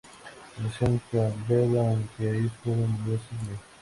Nació en Canberra, aunque de joven se mudó a Sídney.